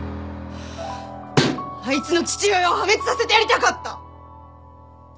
あいつの父親を破滅させてやりたかった！